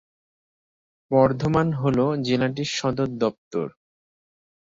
বর্ধমান হল জেলাটির সদর দপ্তর।